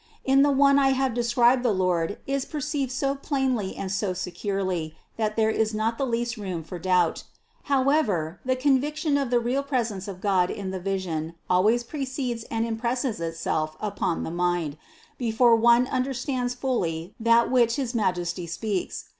In the one I have described the Lord is per ceived so plainly and so securely, that there is not the least room for doubt. However, the conviction of the real presence of God in the vision always precedes and impresses itself upon the mind, before one understands fully that which his Majesty speaks.